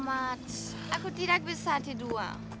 aku tidak bisa tidur